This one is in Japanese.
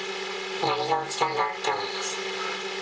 何が起きたんだって思いました。